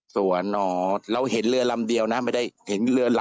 ไม่ได้เห็นเรือลำเดียวหรือสองลำ